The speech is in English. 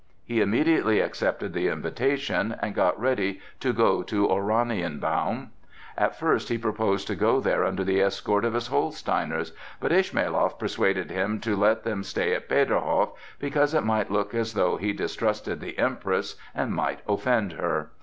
He immediately accepted the invitation and got ready to go to Oranienbaum. At first he proposed to go there under the escort of his Holsteiners, but Ismailoff persuaded him to let them stay at Peterhof, because it might look as though he distrusted the Empress and might offend her.